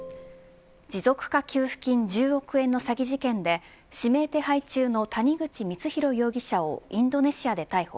持続化給付金１０億円の詐欺事件で指名手配中の谷口光弘容疑者をインドネシアで逮捕。